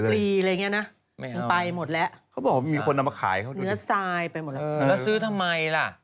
หูกคลีอะไรอย่างนี้นะไปหมดละเขาบอกว่ามีคนเอามาขายเขาดูดิ